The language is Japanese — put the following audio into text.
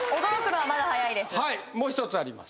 はいもう一つあります